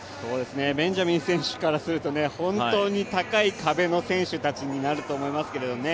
ベンジャミン選手からすると本当に高い壁の選手たちになると思うんですけどね